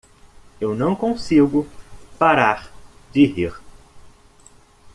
Eu não consigo parar de rir.